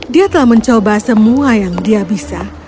dia telah mencoba semua yang dia bisa